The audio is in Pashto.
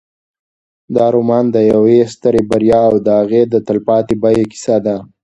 دا رومان د یوې سترې بریا او د هغې د تلپاتې بیې کیسه ده.